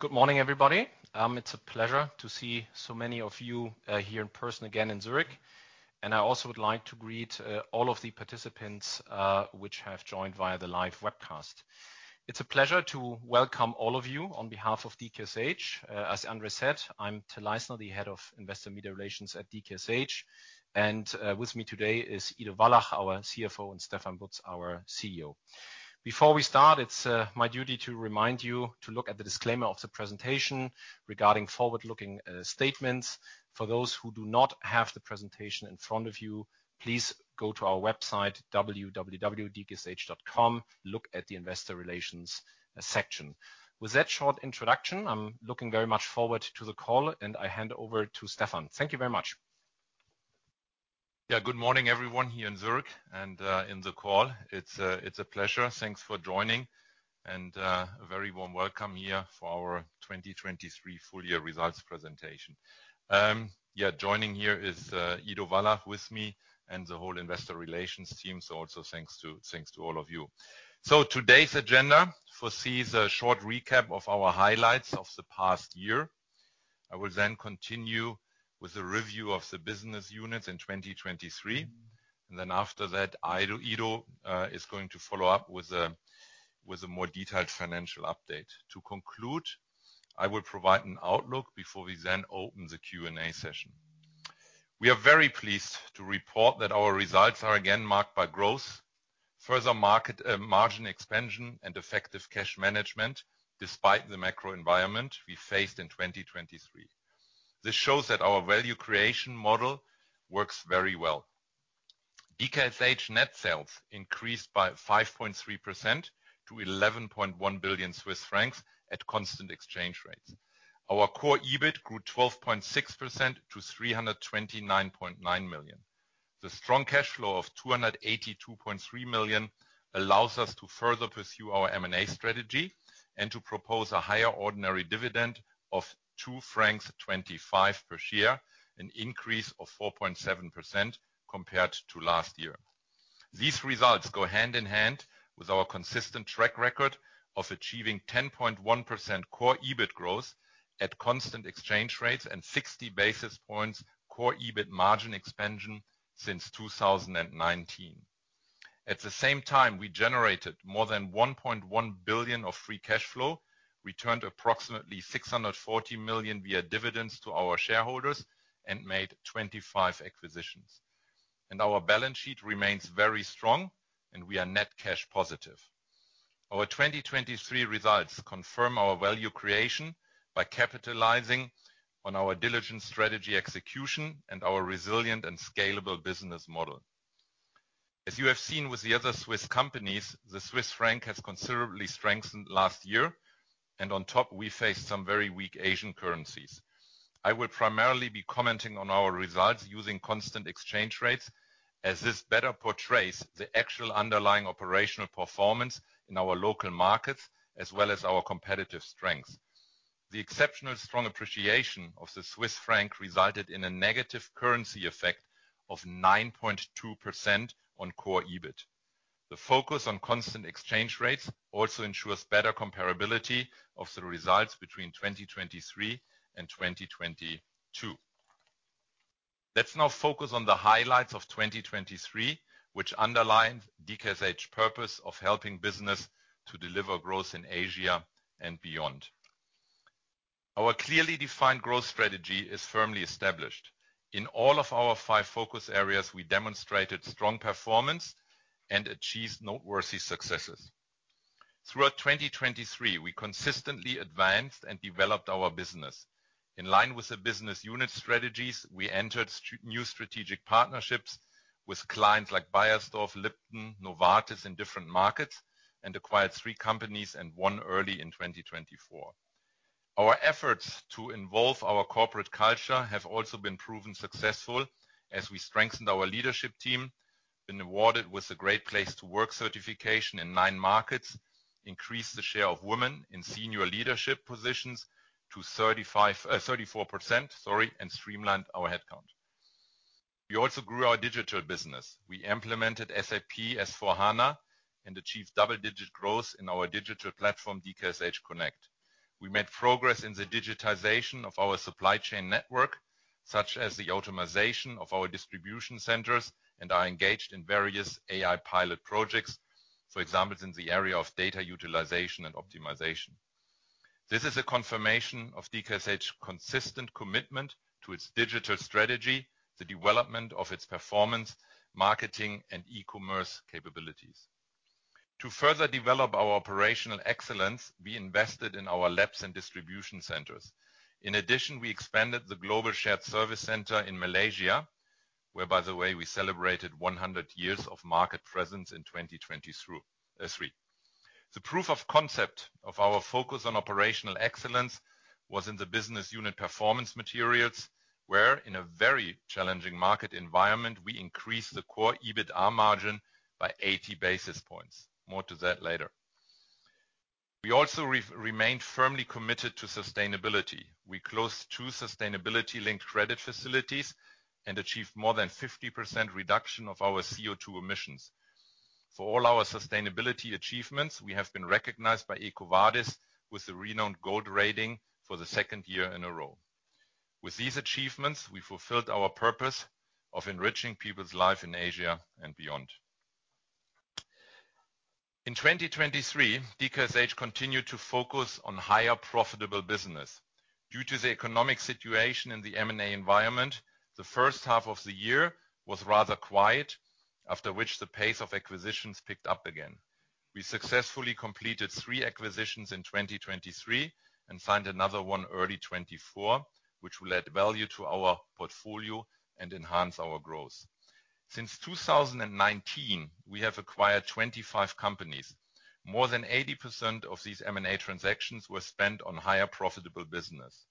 Good morning, everybody. It's a pleasure to see so many of you here in person again in Zurich, and I also would like to greet all of the participants which have joined via the live webcast. It's a pleasure to welcome all of you on behalf of DKSH. As Andre said, I'm Terry Seremetis, the head of Investor Media Relations at DKSH, and with me today is Ido Wallach, our CFO, and Stefan Butz, our CEO. Before we start, it's my duty to remind you to look at the disclaimer of the presentation regarding forward-looking statements. For those who do not have the presentation in front of you, please go to our website, www.dksh.com, look at the Investor Relations section. With that short introduction, I'm looking very much forward to the call, and I hand over to Stefan. Thank you very much. Yeah, good morning, everyone here in Zurich and in the call. It's a pleasure. Thanks for joining, and a very warm welcome here for our 2023 full-year results presentation. Yeah, joining here is Ido Wallach with me and the whole Investor Relations team, so also thanks to all of you. So today's agenda foresees a short recap of our highlights of the past year. I will then continue with a review of the business units in 2023, and then after that, Ido is going to follow up with a more detailed financial update. To conclude, I will provide an outlook before we then open the Q&A session. We are very pleased to report that our results are again marked by growth, further market margin expansion, and effective cash management despite the macro environment we faced in 2023. This shows that our value creation model works very well. DKSH net sales increased by 5.3% to 11.1 billion Swiss francs at constant exchange rates. Our core EBIT grew 12.6% to 329.9 million. The strong cash flow of 282.3 million allows us to further pursue our M&A strategy and to propose a higher ordinary dividend of 2.25 francs per year, an increase of 4.7% compared to last year. These results go hand in hand with our consistent track record of achieving 10.1% core EBIT growth at constant exchange rates and 60 basis points core EBIT margin expansion since 2019. At the same time, we generated more than 1.1 billion of free cash flow, returned approximately 640 million via dividends to our shareholders, and made 25 acquisitions. Our balance sheet remains very strong, and we are net cash positive. Our 2023 results confirm our value creation by capitalizing on our diligent strategy execution and our resilient and scalable business model. As you have seen with the other Swiss companies, the Swiss franc has considerably strengthened last year, and on top, we faced some very weak Asian currencies. I will primarily be commenting on our results using constant exchange rates, as this better portrays the actual underlying operational performance in our local markets as well as our competitive strengths. The exceptionally strong appreciation of the Swiss franc resulted in a negative currency effect of 9.2% on core EBIT. The focus on constant exchange rates also ensures better comparability of the results between 2023 and 2022. Let's now focus on the highlights of 2023, which underlined DKSH's purpose of helping business to deliver growth in Asia and beyond. Our clearly defined growth strategy is firmly established. In all of our five focus areas, we demonstrated strong performance and achieved noteworthy successes. Throughout 2023, we consistently advanced and developed our business. In line with the business unit strategies, we entered new strategic partnerships with clients like Beiersdorf, Lipton, Novartis in different markets, and acquired three companies and one early in 2024. Our efforts to evolve our corporate culture have also been proven successful, as we strengthened our leadership team, been awarded with the Great Place to Work certification in nine markets, increased the share of women in senior leadership positions to 35 34%, sorry, and streamlined our headcount. We also grew our digital business. We implemented SAP S/4HANA and achieved double-digit growth in our digital platform, DKSH Connect. We made progress in the digitization of our supply chain network, such as the automation of our distribution centers, and are engaged in various AI pilot projects, for example, in the area of data utilization and optimization. This is a confirmation of DKSH's consistent commitment to its digital strategy, the development of its performance, marketing, and e-commerce capabilities. To further develop our operational excellence, we invested in our labs and distribution centers. In addition, we expanded the Global Shared Service Center in Malaysia, where, by the way, we celebrated 100 years of market presence in 2023. The proof of concept of our focus on operational excellence was in the business unit Performance Materials, where, in a very challenging market environment, we increased the core EBIT margin by 80 basis points. More to that later. We also remained firmly committed to sustainability. We closed 2 sustainability-linked credit facilities and achieved more than 50% reduction of our CO2 emissions. For all our sustainability achievements, we have been recognized by EcoVadis with the renowned gold rating for the second year in a row. With these achievements, we fulfilled our purpose of enriching people's life in Asia and beyond. In 2023, DKSH continued to focus on higher profitable business. Due to the economic situation in the M&A environment, the first half of the year was rather quiet, after which the pace of acquisitions picked up again. We successfully completed three acquisitions in 2023 and signed another one early 2024, which led value to our portfolio and enhanced our growth. Since 2019, we have acquired 25 companies. More than 80% of these M&A transactions were spent on higher profitable business.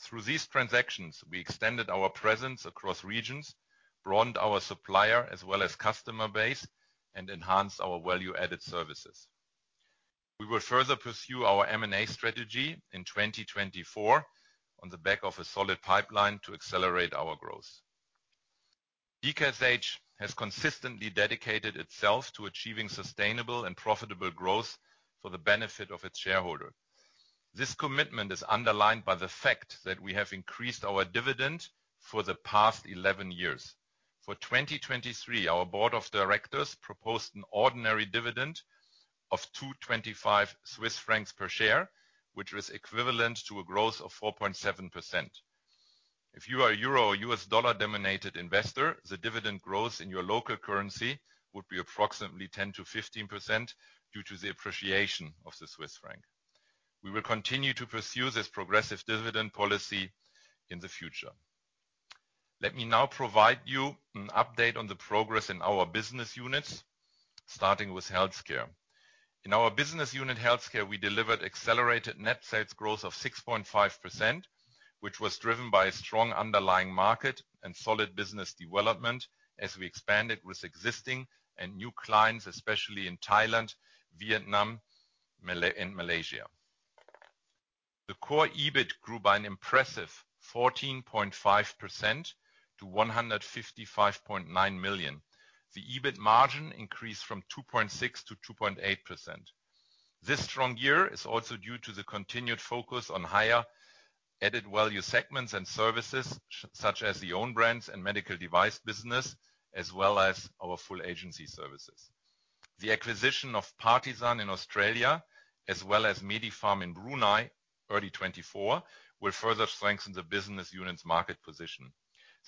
Through these transactions, we extended our presence across regions, broadened our supplier as well as customer base, and enhanced our value-added services. We will further pursue our M&A strategy in 2024 on the back of a solid pipeline to accelerate our growth. DKSH has consistently dedicated itself to achieving sustainable and profitable growth for the benefit of its shareholders. This commitment is underlined by the fact that we have increased our dividend for the past 11 years. For 2023, our board of directors proposed an ordinary dividend of 2.25 Swiss francs per share, which was equivalent to a growth of 4.7%. If you are a euro or U.S. dollar-denominated investor, the dividend growth in your local currency would be approximately 10%-15% due to the appreciation of the Swiss franc. We will continue to pursue this progressive dividend policy in the future. Let me now provide you an update on the progress in our business units, starting with healthcare. In our business unit, healthcare, we delivered accelerated net sales growth of 6.5%, which was driven by a strong underlying market and solid business development as we expanded with existing and new clients, especially in Thailand, Vietnam, Malaysia. The Core EBIT grew by an impressive 14.5% to 155.9 million. The EBIT margin increased from 2.6%-2.8%. This strong year is also due to the continued focus on higher added value segments and services, such as the own brands and medical device business, as well as our full agency services. The acquisition of [Patterson] in Australia, as well as Medipharm in Brunei early 2024, will further strengthen the business unit's market position.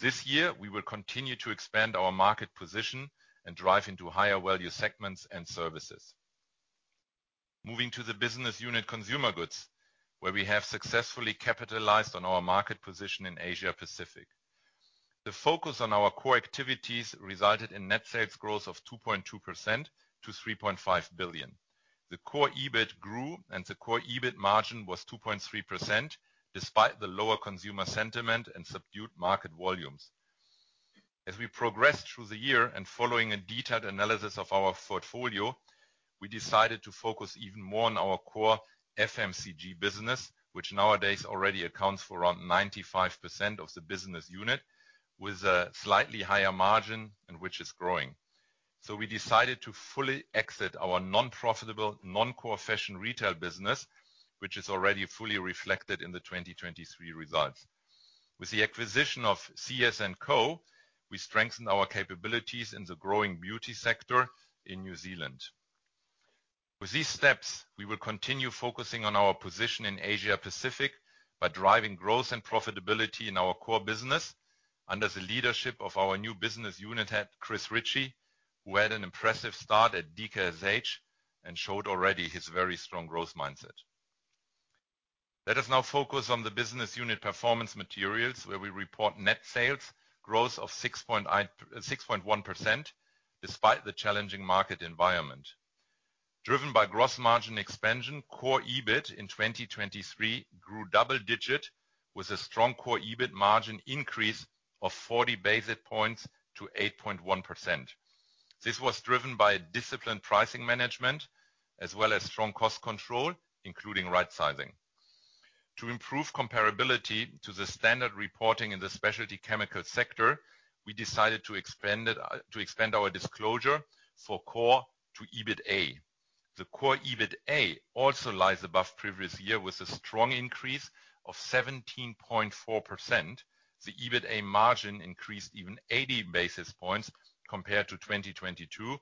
This year, we will continue to expand our market position and drive into higher value segments and services. Moving to the business unit, consumer goods, where we have successfully capitalized on our market position in Asia Pacific. The focus on our core activities resulted in net sales growth of 2.2% to 3.5 billion. The core EBIT grew, and the core EBIT margin was 2.3% despite the lower consumer sentiment and subdued market volumes. As we progressed through the year and following a detailed analysis of our portfolio, we decided to focus even more on our core FMCG business, which nowadays already accounts for around 95% of the business unit, with a slightly higher margin and which is growing. So we decided to fully exit our non-profitable, non-core fashion retail business, which is already fully reflected in the 2023 results. With the acquisition of CS&Co., we strengthened our capabilities in the growing beauty sector in New Zealand. With these steps, we will continue focusing on our position in Asia Pacific by driving growth and profitability in our core business under the leadership of our new business unit head, Chris Ritchie, who had an impressive start at DKSH and showed already his very strong growth mindset. Let us now focus on the Business Unit Performance Materials, where we report net sales growth of 6.0%, 6.1% despite the challenging market environment. Driven by gross margin expansion, Core EBIT in 2023 grew double-digit with a strong Core EBIT margin increase of 40 basis points to 8.1%. This was driven by disciplined pricing management as well as strong cost control, including right-sizing. To improve comparability to the standard reporting in the specialty chemical sector, we decided to expand our disclosure for Core EBITA. The Core EBITA also lies above previous year with a strong increase of 17.4%. The EBITA margin increased even 80 basis points compared to 2022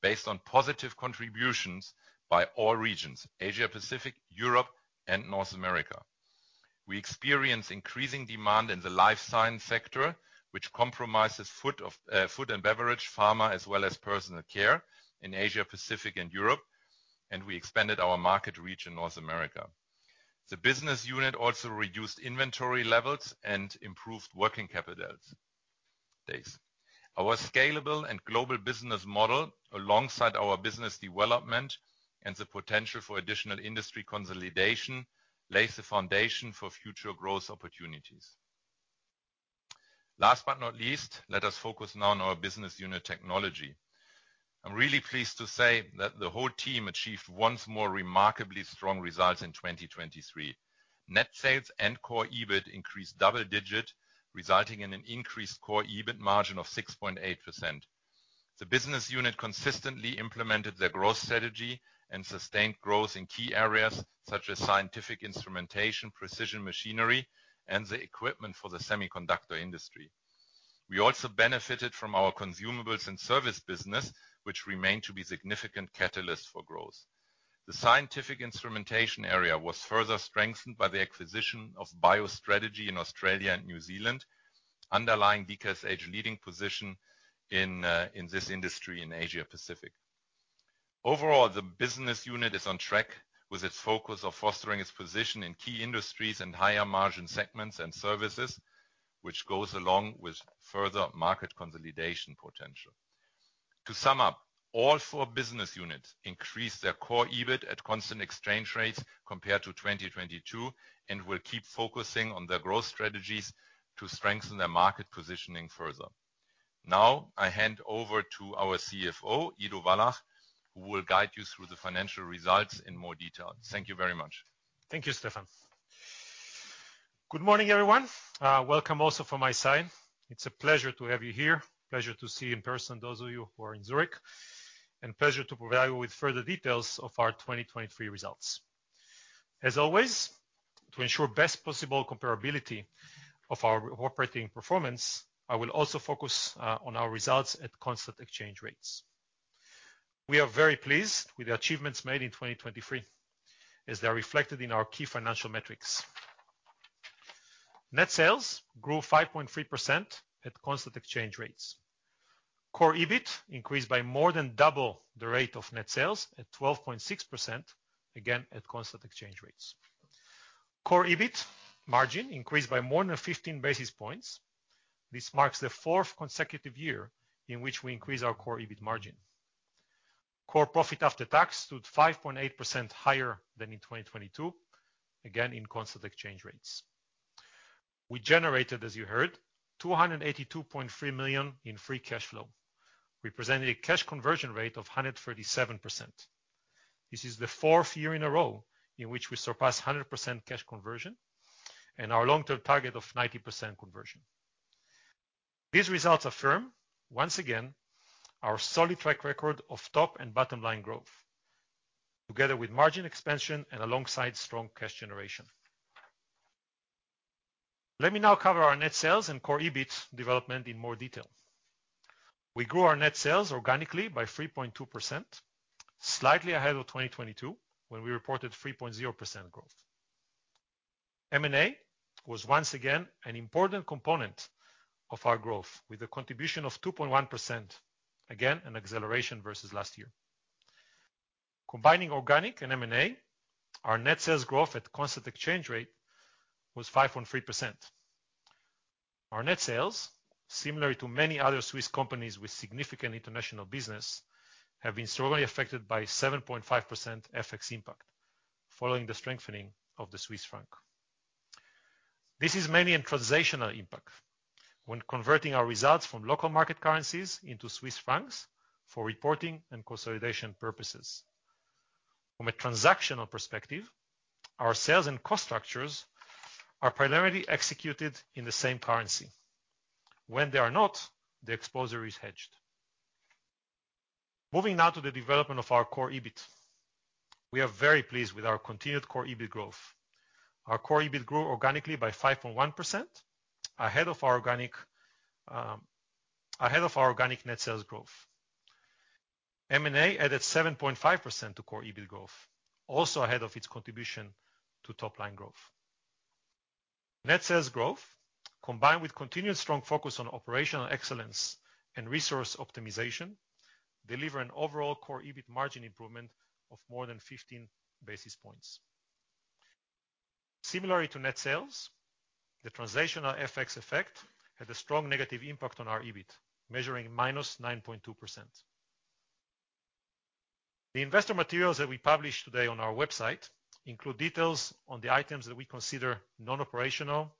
based on positive contributions by all regions: Asia Pacific, Europe, and North America. We experienced increasing demand in the life science sector, which comprises food and beverage, pharma, as well as personal care in Asia Pacific and Europe, and we expanded our market region North America. The business unit also reduced inventory levels and improved working capital days. Our scalable and global business model, alongside our business development and the potential for additional industry consolidation, lays the foundation for future growth opportunities. Last but not least, let us focus now on our business unit technology. I'm really pleased to say that the whole team achieved once more remarkably strong results in 2023. Net sales and core EBIT increased double-digit, resulting in an increased core EBIT margin of 6.8%. The business unit consistently implemented their growth strategy and sustained growth in key areas such as scientific instrumentation, precision machinery, and the equipment for the semiconductor industry. We also benefited from our consumables and service business, which remained to be a significant catalyst for growth. The scientific instrumentation area was further strengthened by the acquisition of Bio-Strategy in Australia and New Zealand, underlying DKSH's leading position in this industry in Asia Pacific. Overall, the business unit is on track with its focus of fostering its position in key industries and higher margin segments and services, which goes along with further market consolidation potential. To sum up, all four business units increased their Core EBIT at constant exchange rates compared to 2022 and will keep focusing on their growth strategies to strengthen their market positioning further. Now, I hand over to our CFO, Ido Wallach, who will guide you through the financial results in more detail. Thank you very much. Thank you, Stefan. Good morning, everyone. Welcome also from my side. It's a pleasure to have you here. Pleasure to see in person those of you who are in Zurich. And pleasure to provide you with further details of our 2023 results. As always, to ensure best possible comparability of our underlying operating performance, I will also focus on our results at constant exchange rates. We are very pleased with the achievements made in 2023, as they are reflected in our key financial metrics. Net sales grew 5.3% at constant exchange rates. Core EBIT increased by more than double the rate of net sales at 12.6%, again at constant exchange rates. Core EBIT margin increased by more than 15 basis points. This marks the fourth consecutive year in which we increased our core EBIT margin. Core profit after tax stood 5.8% higher than in 2022, again in constant exchange rates. We generated, as you heard, 282.3 million in free cash flow, representing a cash conversion rate of 137%. This is the fourth year in a row in which we surpassed 100% cash conversion and our long-term target of 90% conversion. These results affirm, once again, our solid track record of top and bottom-line growth, together with margin expansion and alongside strong cash generation. Let me now cover our net sales and core EBIT development in more detail. We grew our net sales organically by 3.2%, slightly ahead of 2022 when we reported 3.0% growth. M&A was once again an important component of our growth with a contribution of 2.1%, again an acceleration versus last year. Combining organic and M&A, our net sales growth at constant exchange rate was 5.3%. Our net sales, similar to many other Swiss companies with significant international business, have been strongly affected by 7.5% FX impact following the strengthening of the Swiss franc. This is mainly a transactional impact when converting our results from local market currencies into Swiss francs for reporting and consolidation purposes. From a transactional perspective, our sales and cost structures are primarily executed in the same currency. When they are not, the exposure is hedged. Moving now to the development of our core EBIT. We are very pleased with our continued core EBIT growth. Our core EBIT grew organically by 5.1% ahead of our organic, ahead of our organic net sales growth. M&A added 7.5% to core EBIT growth, also ahead of its contribution to top-line growth. Net sales growth, combined with continued strong focus on operational excellence and resource optimization, deliver an overall core EBIT margin improvement of more than 15 basis points. Similar to net sales, the transactional FX effect had a strong negative impact on our EBIT, measuring -9.2%. The investor materials that we publish today on our website include details on the items that we consider non-operational,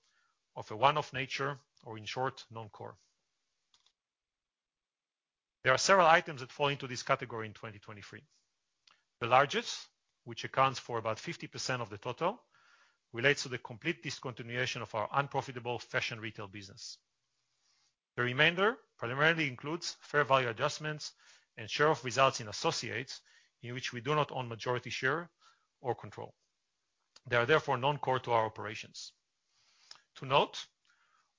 of a one-off nature, or in short, non-core. There are several items that fall into this category in 2023. The largest, which accounts for about 50% of the total, relates to the complete discontinuation of our unprofitable fashion retail business. The remainder primarily includes fair value adjustments and share-off results in associates in which we do not own majority share or control. They are therefore non-core to our operations. To note,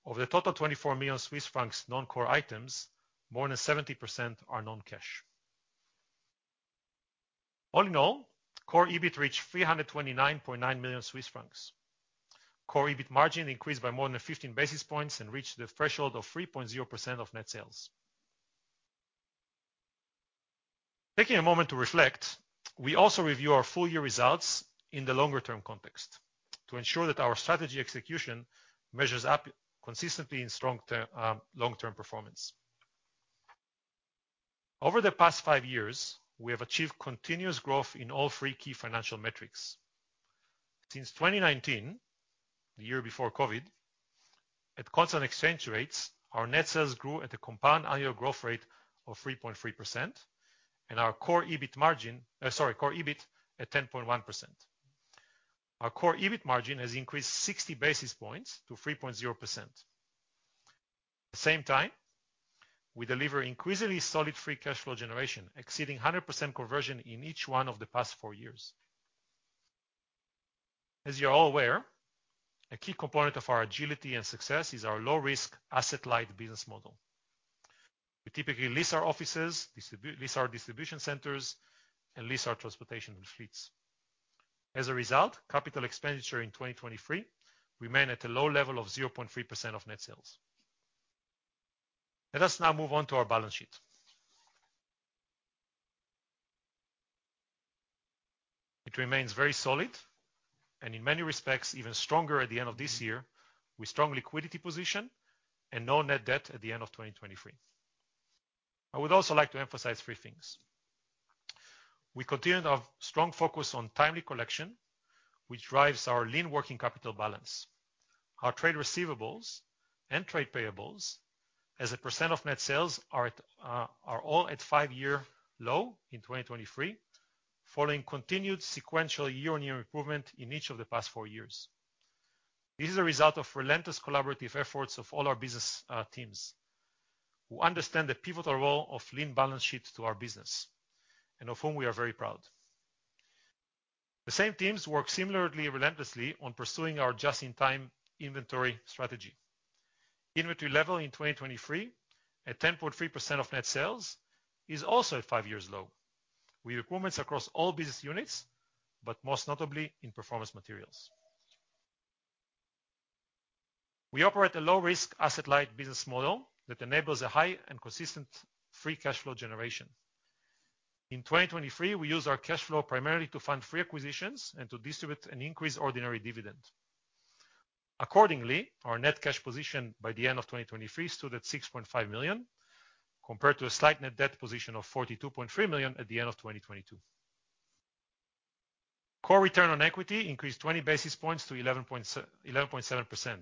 of the total 24 million Swiss francs non-core items, more than 70% are non-cash. All in all, Core EBIT reached 329.9 million Swiss francs. Core EBIT margin increased by more than 15 basis points and reached the threshold of 3.0% of net sales. Taking a moment to reflect, we also review our full-year results in the longer-term context to ensure that our strategy execution measures up consistently in strong term, long-term performance. Over the past five years, we have achieved continuous growth in all three key financial metrics. Since 2019, the year before COVID, at constant exchange rates, our net sales grew at a compound annual growth rate of 3.3% and our core EBIT margin sorry, core EBIT at 10.1%. Our core EBIT margin has increased 60 basis points to 3.0%. At the same time, we deliver increasingly solid free cash flow generation, exceeding 100% conversion in each one of the past four years. As you are all aware, a key component of our agility and success is our low-risk asset-light business model. We typically lease our offices, lease our distribution centers, and lease our transportation and fleets. As a result, capital expenditure in 2023 remained at a low level of 0.3% of net sales. Let us now move on to our balance sheet. It remains very solid and in many respects even stronger at the end of this year with strong liquidity position and no net debt at the end of 2023. I would also like to emphasize three things. We continue to have strong focus on timely collection, which drives our lean working capital balance. Our trade receivables and trade payables, as a percent of net sales, are all at five-year low in 2023 following continued sequential year-on-year improvement in each of the past four years. This is a result of relentless collaborative efforts of all our business teams who understand the pivotal role of lean balance sheets to our business and of whom we are very proud. The same teams work similarly relentlessly on pursuing our just-in-time inventory strategy. Inventory level in 2023 at 10.3% of net sales is also at five-year low with improvements across all business units but most notably in Performance Materials. We operate a low-risk asset-light business model that enables a high and consistent free cash flow generation. In 2023, we use our cash flow primarily to fund acquisitions and to distribute an increased ordinary dividend. Accordingly, our net cash position by the end of 2023 stood at 6.5 million compared to a slight net debt position of 42.3 million at the end of 2022. Core return on equity increased 20 basis points to 11.7%.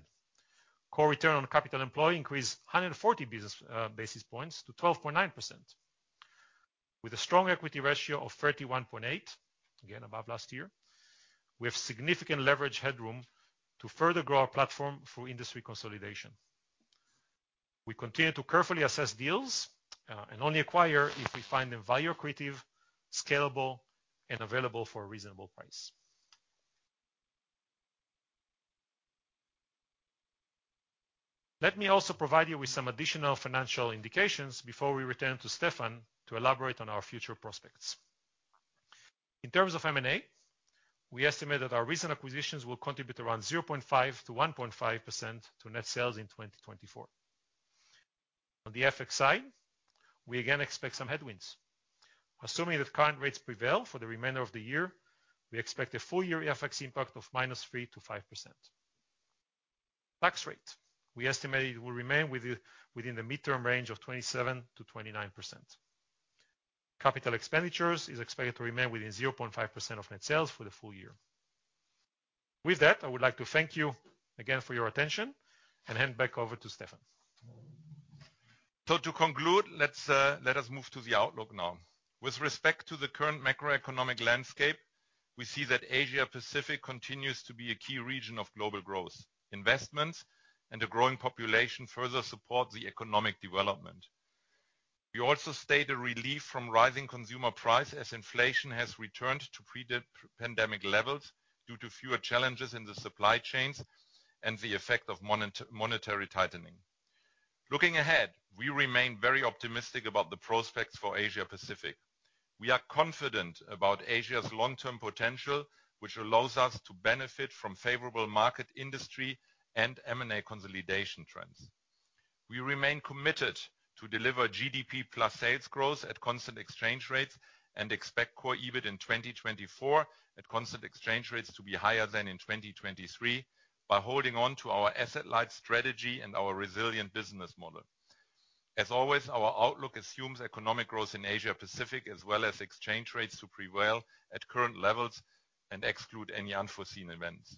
Core return on capital employed increased 140 basis points to 12.9%. With a strong equity ratio of 31.8%, again above last year, we have significant leverage headroom to further grow our platform through industry consolidation. We continue to carefully assess deals, and only acquire if we find them value-creative, scalable, and available for a reasonable price. Let me also provide you with some additional financial indications before we return to Stefan to elaborate on our future prospects. In terms of M&A, we estimate that our recent acquisitions will contribute around 0.5%-1.5% to net sales in 2024. On the FX side, we again expect some headwinds. Assuming that current rates prevail for the remainder of the year, we expect a full-year FX impact of -3% to -5%. Tax rate, we estimate it will remain within the mid-term range of 27%-29%. Capital expenditures is expected to remain within 0.5% of net sales for the full year. With that, I would like to thank you again for your attention and hand back over to Stefan. To conclude, let us move to the outlook now. With respect to the current macroeconomic landscape, we see that Asia Pacific continues to be a key region of global growth. Investments and a growing population further support the economic development. We also state a relief from rising consumer price as inflation has returned to pre-pandemic levels due to fewer challenges in the supply chains and the effect of monetary tightening. Looking ahead, we remain very optimistic about the prospects for Asia Pacific. We are confident about Asia's long-term potential, which allows us to benefit from favorable market industry and M&A consolidation trends. We remain committed to deliver GDP-plus sales growth at constant exchange rates and expect core EBIT in 2024 at constant exchange rates to be higher than in 2023 by holding on to our asset-light strategy and our resilient business model. As always, our outlook assumes economic growth in Asia Pacific as well as exchange rates to prevail at current levels and exclude any unforeseen events.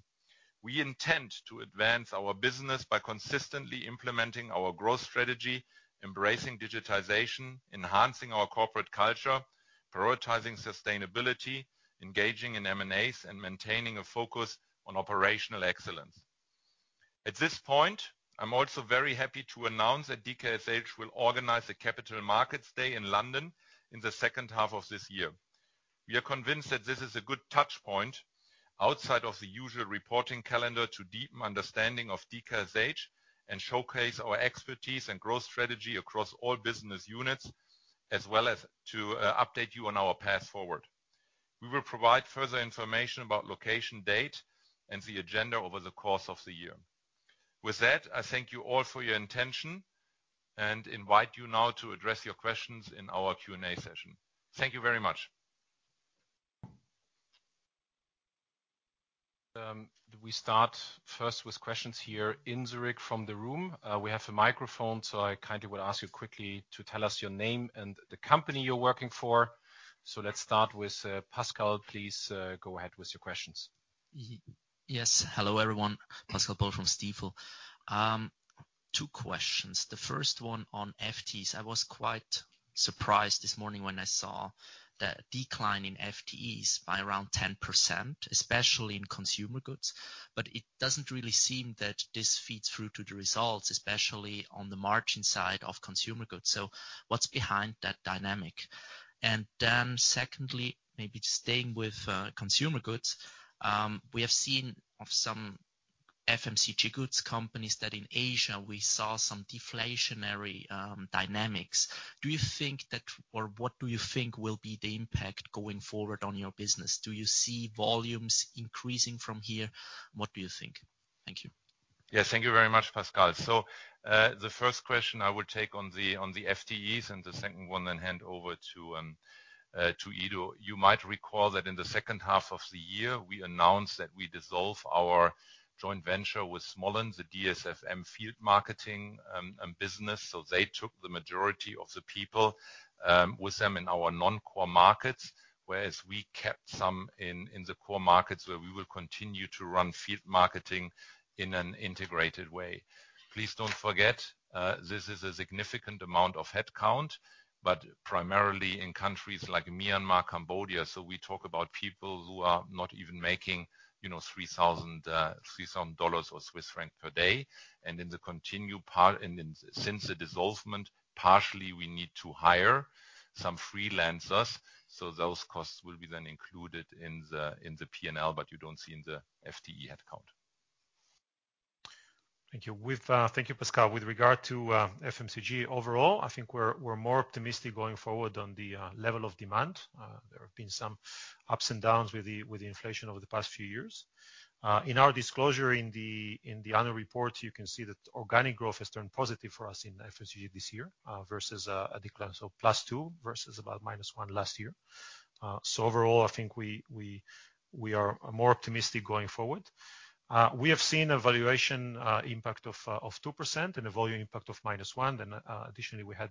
We intend to advance our business by consistently implementing our growth strategy, embracing digitization, enhancing our corporate culture, prioritizing sustainability, engaging in M&As, and maintaining a focus on operational excellence. At this point, I'm also very happy to announce that DKSH will organize a Capital Markets Day in London in the second half of this year. We are convinced that this is a good touchpoint outside of the usual reporting calendar to deepen understanding of DKSH and showcase our expertise and growth strategy across all business units as well as to update you on our path forward. We will provide further information about location, date, and the agenda over the course of the year. With that, I thank you all for your attention and invite you now to address your questions in our Q&A session. Thank you very much. Do we start first with questions here in Zurich from the room? We have a microphone, so I kindly would ask you quickly to tell us your name and the company you're working for. So let's start with Pascal, please. Go ahead with your questions. Yes. Hello, everyone. Pascal Boll from Stifel. Two questions. The first one on FTEs. I was quite surprised this morning when I saw the decline in FTEs by around 10%, especially in consumer goods, but it doesn't really seem that this feeds through to the results, especially on the margin side of consumer goods. So what's behind that dynamic? And then secondly, maybe just staying with consumer goods, we have seen of some FMCG goods companies that in Asia we saw some deflationary dynamics. Do you think that or what do you think will be the impact going forward on your business? Do you see volumes increasing from here? What do you think? Thank you. Yeah. Thank you very much, Pascal. So, the first question I would take on the FTEs and the second one then hand over to Ido. You might recall that in the second half of the year we announced that we dissolve our joint venture with Smollan, the DSFM Field Marketing, business. So they took the majority of the people, with them in our non-core markets, whereas we kept some in in the core markets where we will continue to run field marketing in an integrated way. Please don't forget, this is a significant amount of headcount but primarily in countries like Myanmar, Cambodia. So we talk about people who are not even making, you know, $3,000, $3,000 or CHF 3,000 per day. And in the continue part and in since the dissolvement, partially we need to hire some freelancers. So those costs will be then included in the in the P&L, but you don't see in the FTE headcount. Thank you. With, thank you, Pascal. With regard to FMCG overall, I think we're more optimistic going forward on the level of demand. There have been some ups and downs with the inflation over the past few years. In our disclosure in the annual report, you can see that organic growth has turned positive for us in FMCG this year, versus a decline. So +2% versus about -1% last year. So overall, I think we are more optimistic going forward. We have seen a valuation impact of 2% and a volume impact of -1%. Then, additionally, we had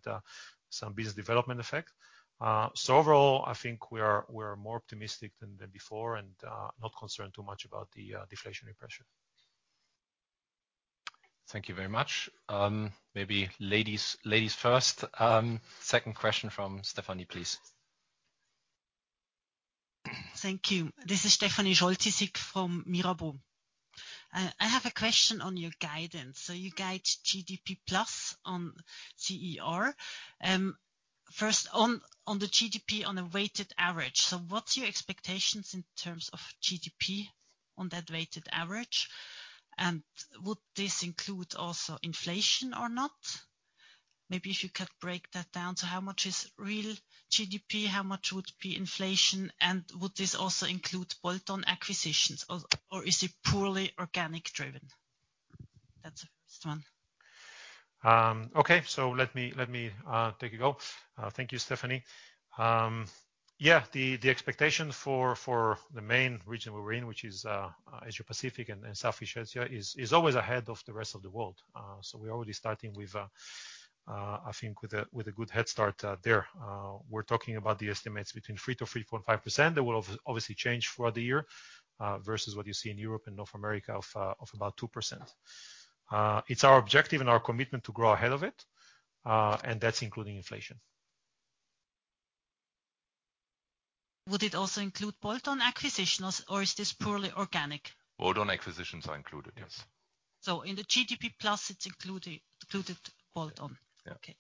some business development effect. So overall, I think we are more optimistic than before and not concerned too much about the deflationary pressure. Thank you very much. Maybe ladies first. Second question from Stefanie, please. Thank you. This is Stefanie Scholtysik from Mirabaud. I have a question on your guidance. So you guide GDP-plus on CER. First, on the GDP on a weighted average. So what's your expectations in terms of GDP on that weighted average? And would this include also inflation or not? Maybe if you could break that down. So how much is real GDP? How much would be inflation? And would this also include bolt-on acquisitions or is it purely organic-driven? That's the first one. Okay. So let me take it. Go. Thank you, Stefanie. Yeah. The expectation for the main region we're in, which is Asia Pacific and Southeast Asia, is always ahead of the rest of the world. So we're already starting with, I think, a good head start there. We're talking about the estimates between 3%-3.5%. They will obviously change throughout the year, versus what you see in Europe and North America of about 2%. It's our objective and our commitment to grow ahead of it. That's including inflation. Would it also include bolt-on acquisitions or is this purely organic? Bolt-on acquisitions are included. Yes. So in the GDP-plus, it's included bolt-on. Yeah. Okay.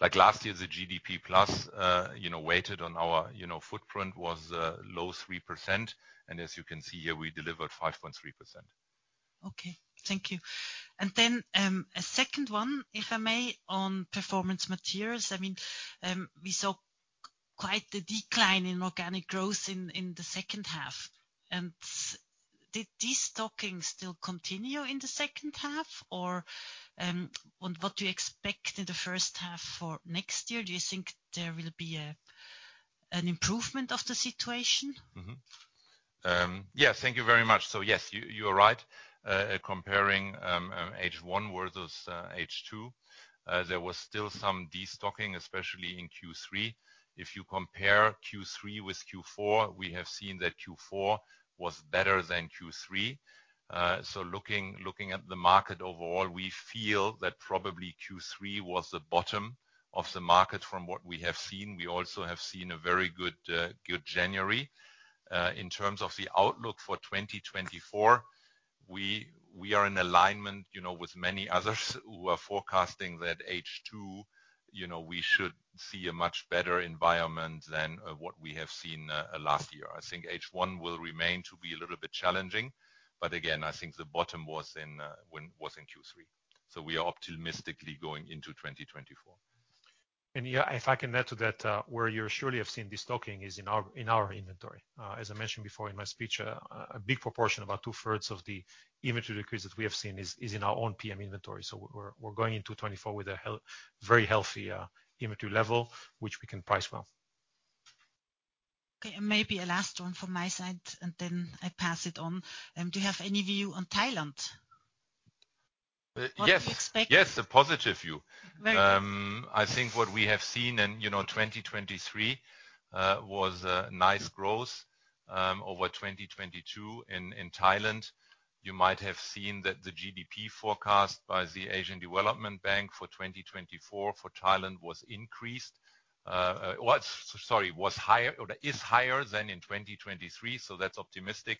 Like last year, the GDP-plus, you know, weighted on our, you know, footprint was low 3%. And as you can see here, we delivered 5.3%. Okay. Thank you. And then, a second one, if I may, on Performance Materials. I mean, we saw quite the decline in organic growth in the second half. And did these destocking still continue in the second half or, and what do you expect in the first half for next year? Do you think there will be an improvement of the situation? Mm-hmm. Yeah. Thank you very much. So yes, you are right. Comparing H1 versus H2, there was still some destocking, especially in Q3. If you compare Q3 with Q4, we have seen that Q4 was better than Q3. So looking at the market overall, we feel that probably Q3 was the bottom of the market from what we have seen. We also have seen a very good January. In terms of the outlook for 2024, we are in alignment, you know, with many others who are forecasting that H2, you know, we should see a much better environment than what we have seen last year. I think H1 will remain to be a little bit challenging. But again, I think the bottom was in Q3. So we are optimistically going into 2024. And yeah, if I can add to that, where you surely have seen destocking is in our inventory. As I mentioned before in my speech, a big proportion, about two-thirds of the inventory decrease that we have seen is in our own PM inventory. So we're going into 2024 with a healthy, very healthy inventory level, which we can price well. Okay. And maybe a last one from my side and then I pass it on. Do you have any view on Thailand? Yes. What do you expect? Yes. A positive view. Very good. I think what we have seen in, you know, 2023, was a nice growth over 2022 in Thailand. You might have seen that the GDP forecast by the Asian Development Bank for 2024 for Thailand was higher or is higher than in 2023. So that's optimistic.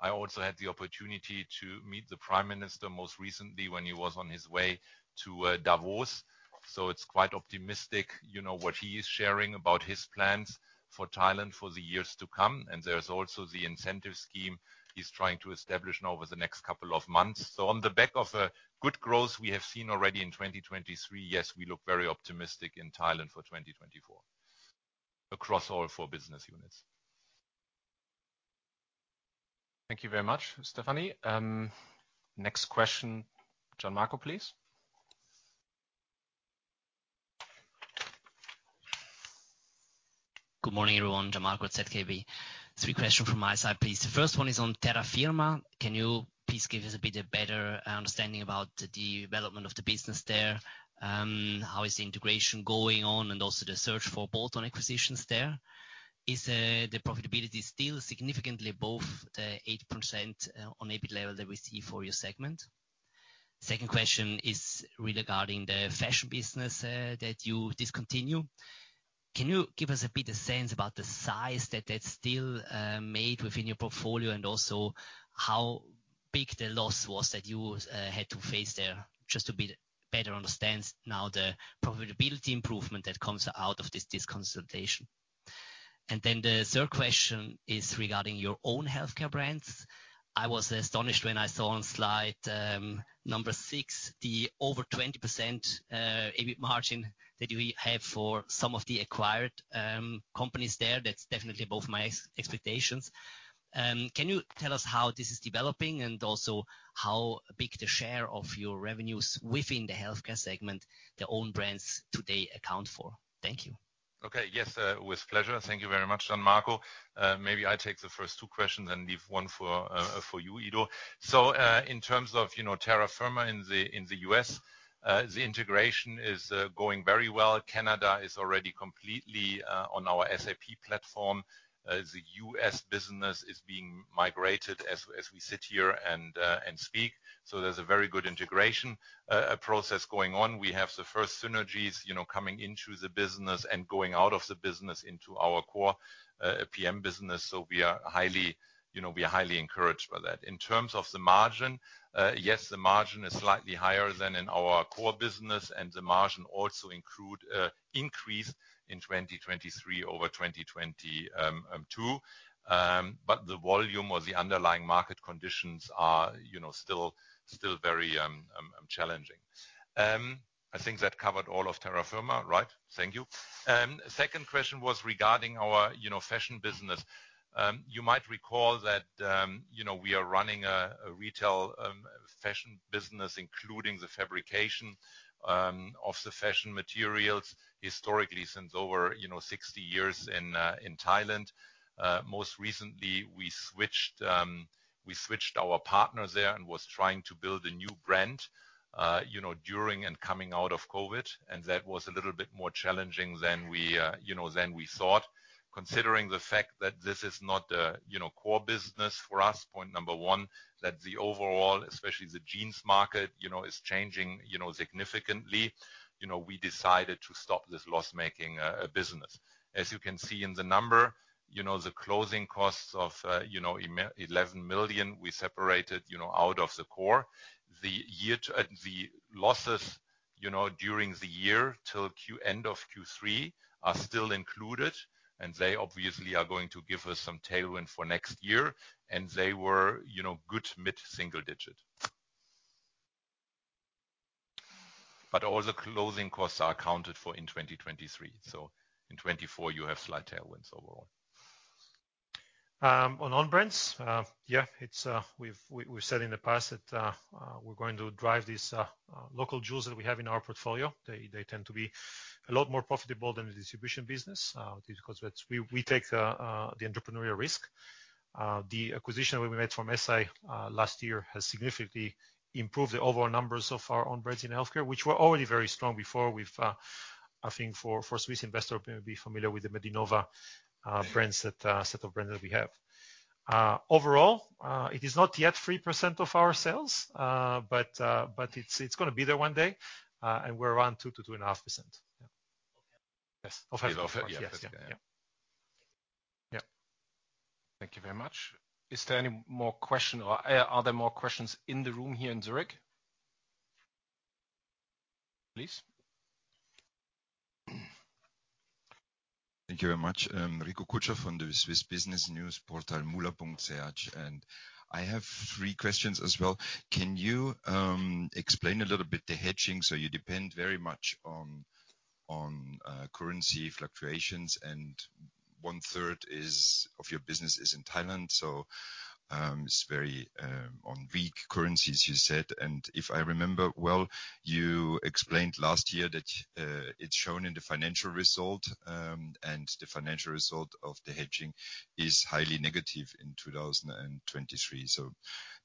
I also had the opportunity to meet the Prime Minister most recently when he was on his way to Davos. So it's quite optimistic, you know, what he is sharing about his plans for Thailand for the years to come. And there's also the incentive scheme he's trying to establish now over the next couple of months. So on the back of a good growth we have seen already in 2023, yes, we look very optimistic in Thailand for 2024 across all four business units. Thank you very much, Stefanie. Next question. Gianmarco, please. Good morning, everyone. Gian Marco at ZKB. Three questions from my side, please. The first one is on Terra Firma. Can you please give us a bit of better understanding about the development of the business there? How is the integration going on and also the search for bolt-on acquisitions there? Is the profitability still significantly above the 8% on API level that we see for your segment? Second question is regarding the fashion business that you discontinue. Can you give us a bit of sense about the size that that's still made within your portfolio and also how big the loss was that you had to face there just to better understand now the profitability improvement that comes out of this disconsolidation? And then the third question is regarding your own healthcare brands. I was astonished when I saw on slide number 6 the over 20% API margin that you have for some of the acquired companies there. That's definitely above my expectations. Can you tell us how this is developing and also how big the share of your revenues within the healthcare segment the own brands today account for? Thank you. Okay. Yes. With pleasure. Thank you very much, Gianmarco. Maybe I take the first two questions and leave one for, for you, Ido. So, in terms of, you know, Terra Firma in the US, the integration is going very well. Canada is already completely on our SAP platform. The US business is being migrated as we sit here and speak. So there's a very good integration process going on. We have the first synergies, you know, coming into the business and going out of the business into our core PM business. So we are highly, you know, we are highly encouraged by that. In terms of the margin, yes, the margin is slightly higher than in our core business and the margin also include increased in 2023 over 2020, too. But the volume or the underlying market conditions are, you know, still very challenging. I think that covered all of Terra Firma, right? Thank you. Second question was regarding our, you know, fashion business. You might recall that, you know, we are running a retail fashion business including the fabrication of the fashion materials historically since over 60 years in Thailand. Most recently, we switched, we switched our partner there and was trying to build a new brand, you know, during and coming out of COVID. And that was a little bit more challenging than we, you know, than we thought considering the fact that this is not the, you know, core business for us, point number one, that the overall, especially the jeans market, you know, is changing significantly. You know, we decided to stop this loss-making business. As you can see in the number, you know, the closing costs of, you know, 11 million we separated, you know, out of the core. The year-to-date losses, you know, during the year till end of Q3 are still included. They obviously are going to give us some tailwind for next year. And they were, you know, good mid-single digit. But all the closing costs are accounted for in 2023. So in 2024, you have slight tailwinds overall. On own-brands, yeah, it's, we've said in the past that, we're going to drive these local jewels that we have in our portfolio. They tend to be a lot more profitable than the distribution business, because that's where we take the entrepreneurial risk. The acquisition that we made from Eisai last year has significantly improved the overall numbers of our own-brands in healthcare, which were already very strong before. We've, I think for Swiss investors, you may be familiar with the Medinova brands that set of brands that we have. Overall, it is not yet 3% of our sales, but it's going to be there one day. And we're around 2%-2.5%. Yeah. Yes. Of course. Yes. Yeah. Yeah. Thank you very much. Is there any more question or are there more questions in the room here in Zurich, please? Thank you very much. Rico Kutscher from the Swiss Business News portal, muula.ch. And I have three questions as well. Can you explain a little bit the hedging? So you depend very much on currency fluctuations. And one-third of your business is in Thailand. So, it's very on weak currencies, you said. And if I remember well, you explained last year that it's shown in the financial result, and the financial result of the hedging is highly negative in 2023. So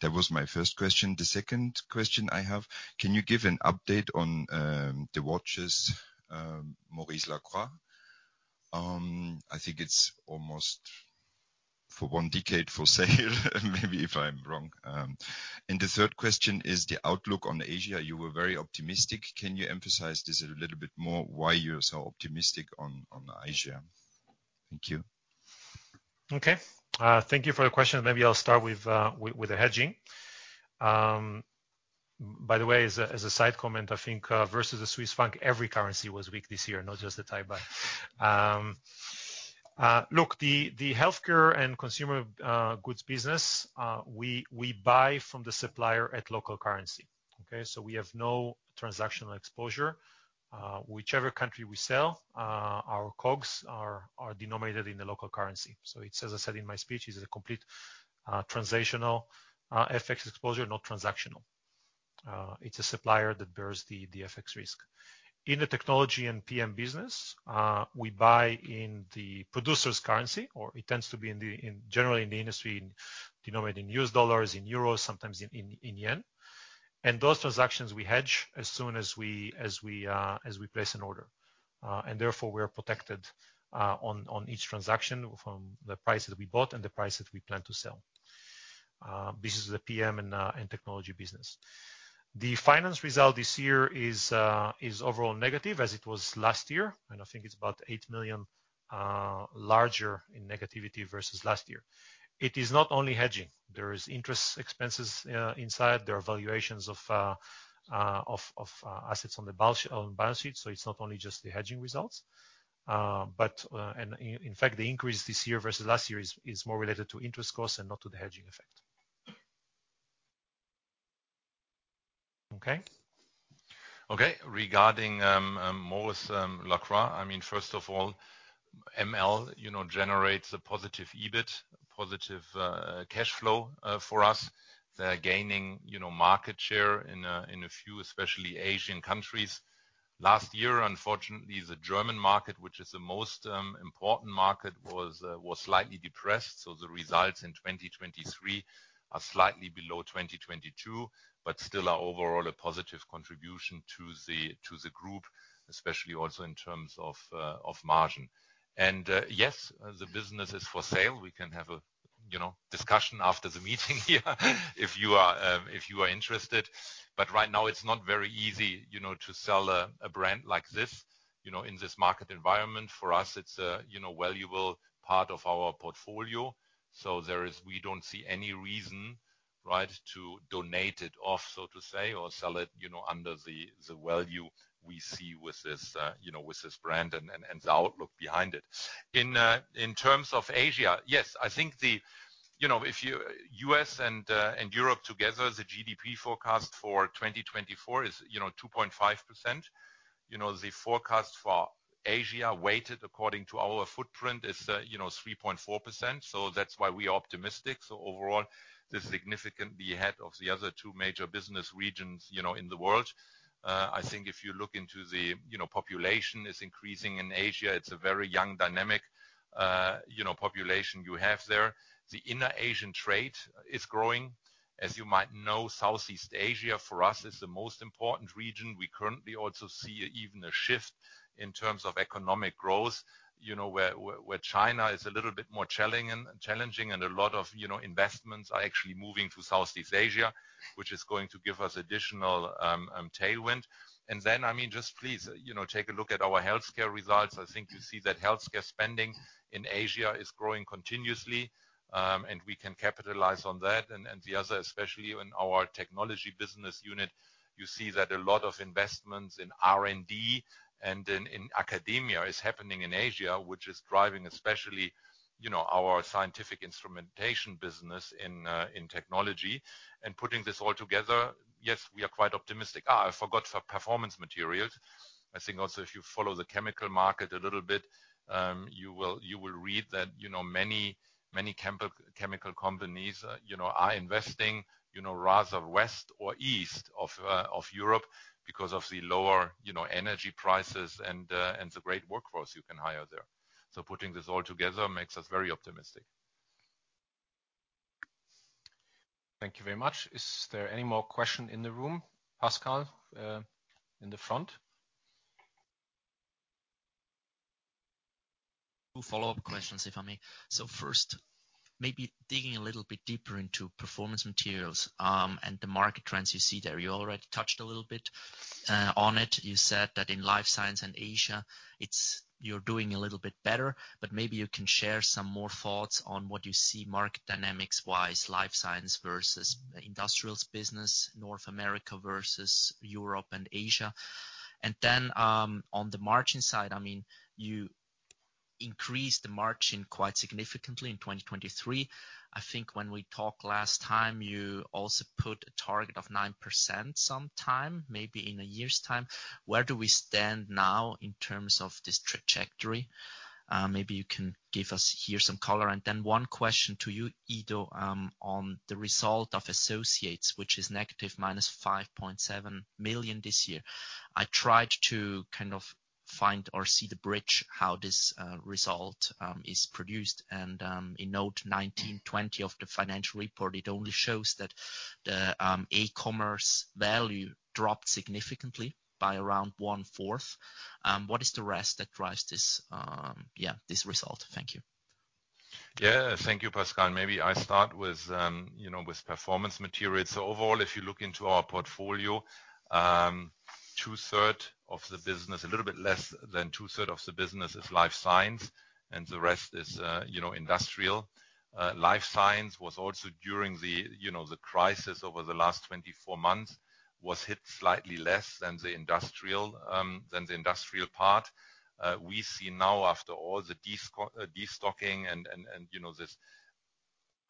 that was my first question. The second question I have: can you give an update on the watches, Maurice Lacroix? I think it's almost one decade for sale, maybe if I'm wrong. And the third question is the outlook on Asia. You were very optimistic. Can you emphasize this a little bit more why you're so optimistic on Asia? Thank you. Okay. Thank you for the question. Maybe I'll start with the hedging. By the way, as a side comment, I think versus the Swiss franc, every currency was weak this year, not just the Thai baht. Look, the healthcare and consumer goods business, we buy from the supplier at local currency. Okay. So we have no transactional exposure. Whichever country we sell, our COGS are denominated in the local currency. So it's, as I said in my speech, a complete transactional FX exposure, not transactional. It's a supplier that bears the FX risk. In the technology and PM business, we buy in the producer's currency or it tends to be in generally in the industry denominated in U.S. dollars, in euros, sometimes in yen. And those transactions we hedge as soon as we place an order. And therefore, we are protected on each transaction from the price that we bought and the price that we plan to sell. This is the PM and technology business. The finance result this year is overall negative as it was last year. I think it's about 8 million larger in negativity versus last year. It is not only hedging. There is interest expenses inside. There are valuations of assets on the balance sheet. So it's not only just the hedging results, but in fact the increase this year versus last year is more related to interest costs and not to the hedging effect. Okay. Okay. Regarding Maurice Lacroix, I mean, first of all, ML you know generates a positive EBIT, positive cash flow for us. They're gaining you know market share in a few, especially Asian countries. Last year, unfortunately, the German market, which is the most important market, was slightly depressed. So the results in 2023 are slightly below 2022, but still are overall a positive contribution to the group, especially also in terms of margin. And, yes, the business is for sale. We can have a, you know, discussion after the meeting here if you are interested. But right now, it's not very easy, you know, to sell a brand like this, you know, in this market environment. For us, it's a, you know, valuable part of our portfolio. So we don't see any reason, right, to donate it off, so to say, or sell it, you know, under the value we see with this, you know, with this brand and the outlook behind it. In terms of Asia, yes, I think, you know, if the US and Europe together, the GDP forecast for 2024 is, you know, 2.5%. You know, the forecast for Asia weighted according to our footprint is, you know, 3.4%. So that's why we are optimistic. So overall, this is significantly ahead of the other two major business regions, you know, in the world. I think if you look into the, you know, population is increasing in Asia, it's a very young dynamic, you know, population you have there. The intra-Asian trade is growing. As you might know, Southeast Asia for us is the most important region. We currently also see even a shift in terms of economic growth, you know, where China is a little bit more challenging and a lot of, you know, investments are actually moving to Southeast Asia, which is going to give us additional tailwind. And then, I mean, just please, you know, take a look at our healthcare results. I think you see that healthcare spending in Asia is growing continuously, and we can capitalize on that. And the other, especially in our technology business unit, you see that a lot of investments in R&D and in academia is happening in Asia, which is driving especially, you know, our scientific instrumentation business in technology. And putting this all together, yes, we are quite optimistic. I forgot for Performance Materials. I think also if you follow the chemical market a little bit, you will read that, you know, many chemical companies, you know, are investing, you know, rather west or east of Europe because of the lower, you know, energy prices and the great workforce you can hire there. So putting this all together makes us very optimistic. Thank you very much. Is there any more question in the room, Pascal, in the front? Two follow-up questions, if I may. So first, maybe digging a little bit deeper into Performance Materials, and the market trends you see there. You already touched a little bit on it. You said that in life science and Asia, it's you're doing a little bit better. But maybe you can share some more thoughts on what you see market dynamics-wise, life science versus industrials business, North America versus Europe and Asia. And then, on the margin side, I mean, you increased the margin quite significantly in 2023. I think when we talked last time, you also put a target of 9% sometime, maybe in a year's time. Where do we stand now in terms of this trajectory? Maybe you can give us here some color. And then one question to you, Ido, on the result of associates, which is negative minus 5.7 million this year. I tried to kind of find or see the bridge, how this result is produced. And, in note 1920 of the financial report, it only shows that the e-commerce value dropped significantly by around one-fourth. What is the rest that drives this, yeah, this result? Thank you. Yeah. Thank you, Pascal. And maybe I start with, you know, with Performance Materials. So overall, if you look into our portfolio, two-thirds of the business, a little bit less than two-thirds of the business is life science, and the rest is, you know, industrial. Life science was also during the, you know, the crisis over the last 24 months hit slightly less than the industrial, than the industrial part. We see now, after all, the destocking and, you know, this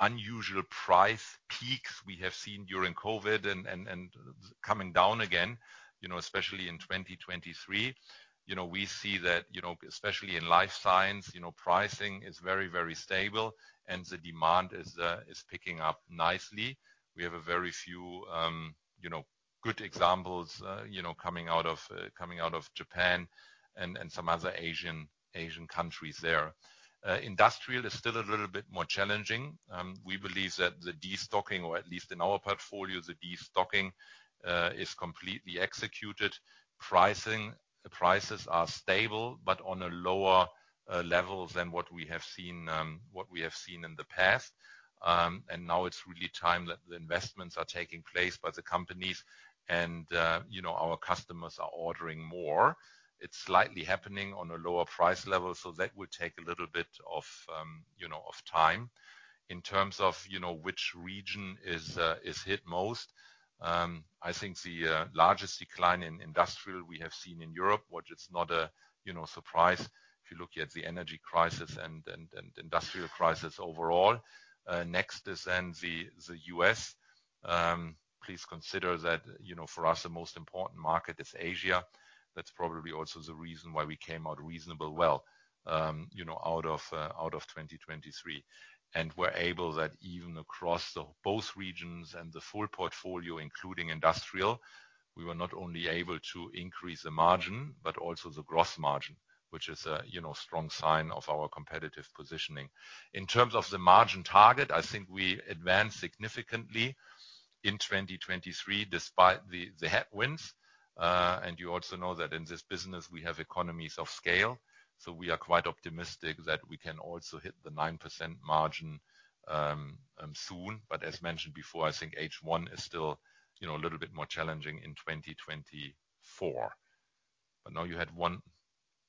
unusual price peaks we have seen during COVID and coming down again, you know, especially in 2023. You know, we see that, you know, especially in life science, you know, pricing is very, very stable, and the demand is, is picking up nicely. We have a very few, you know, good examples, you know, coming out of Japan and some other Asian countries there. Industrial is still a little bit more challenging. We believe that the destocking, or at least in our portfolio, the destocking, is completely executed. Prices are stable, but on a lower level than what we have seen in the past. Now it's really time that the investments are taking place by the companies, and, you know, our customers are ordering more. It's slightly happening on a lower price level. So that will take a little bit of, you know, time. In terms of, you know, which region is hit most, I think the largest decline in industrial we have seen in Europe, which is not a, you know, surprise if you look at the energy crisis and industrial crisis overall. Next is then the U.S. Please consider that, you know, for us, the most important market is Asia. That's probably also the reason why we came out reasonably well, you know, out of 2023. And we're able that even across both regions and the full portfolio, including industrial, we were not only able to increase the margin, but also the gross margin, which is a, you know, strong sign of our competitive positioning. In terms of the margin target, I think we advanced significantly in 2023 despite the headwinds. You also know that in this business, we have economies of scale. So we are quite optimistic that we can also hit the 9% margin soon. But as mentioned before, I think H1 is still, you know, a little bit more challenging in 2024. But now you had one?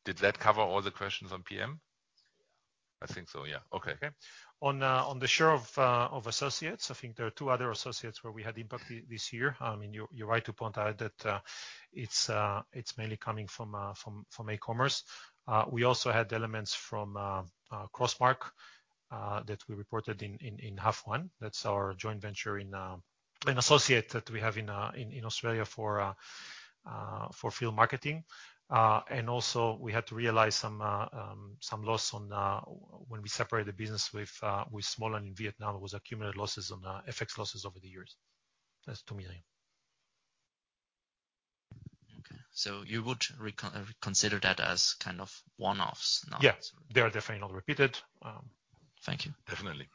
Did that cover all the questions on PM? Yeah. I think so. Yeah. Okay. Okay. On the share of associates, I think there are two other associates where we had impact this year. I mean, you're right to point out that it's mainly coming from e-commerce. We also had elements from Crossmark that we reported in H1. That's our joint venture, an associate that we have in Australia for field marketing. And also, we had to realize some loss when we separated the business with Smollan in Vietnam. It was accumulated losses on FX losses over the years. That's 2 million. Okay. So you would reconsider that as kind of one-offs now? Yeah. They are definitely not repeated. Thank you. Definitely.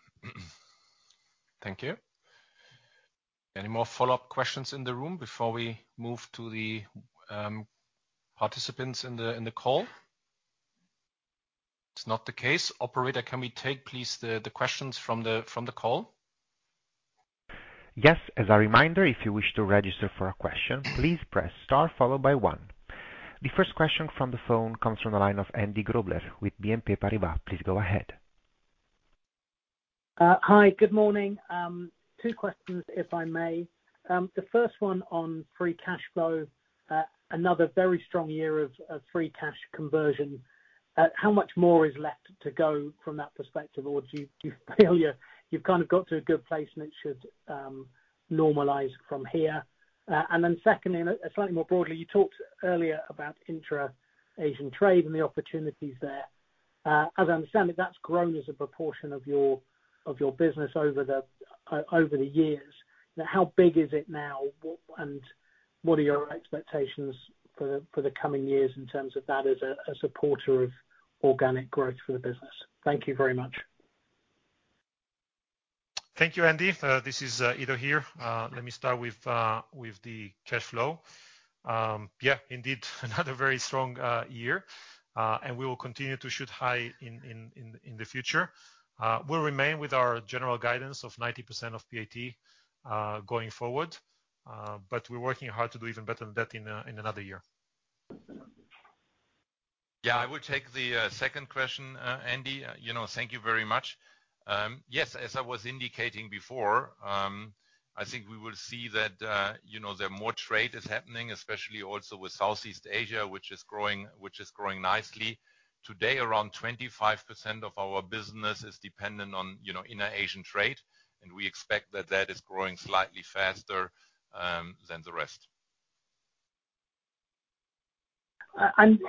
Thank you. Any more follow-up questions in the room before we move to the participants in the call? It's not the case. Operator, can we take, please, the questions from the call? Yes. As a reminder, if you wish to register for a question, please press star followed by one. The first question from the phone comes from the line of Andy Grobler with BNP Paribas. Please go ahead. Hi. Good morning. Two questions, if I may. The first one on free cash flow, another very strong year of free cash conversion. How much more is left to go from that perspective, or do you feel you've kind of got to a good place, and it should normalize from here? And then secondly, and slightly more broadly, you talked earlier about intra-Asian trade and the opportunities there. As I understand it, that's grown as a proportion of your business over the years. Now, how big is it now, and what are your expectations for the coming years in terms of that as a supporter of organic growth for the business? Thank you very much. Thank you, Andy. This is Ido here. Let me start with the cash flow. Yeah, indeed, another very strong year. And we will continue to shoot high in the future. We'll remain with our general guidance of 90% of PAT, going forward. but we're working hard to do even better than that in another year. Yeah. I would take the second question, Andy. You know, thank you very much. Yes, as I was indicating before, I think we will see that, you know, there are more trade is happening, especially also with Southeast Asia, which is growing nicely. Today, around 25% of our business is dependent on, you know, intra-Asian trade. And we expect that that is growing slightly faster than the rest. I'm